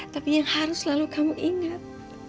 tapi yang harus selalu kamu ingat